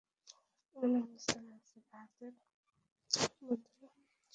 এমন সম্প্রদায় আছে, যাহাদের মতে শাস্ত্রবাক্য জপ করিলেই মুক্তি পাওয়া যাইবে।